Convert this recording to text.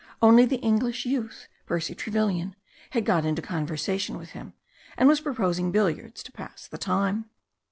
Only the English youth, Percy Trevellian, had got into conversation with him, and was proposing billiards to pass the time.